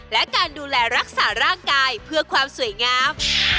และการดูแลรักษาร่างกายเพื่อความสวยงาม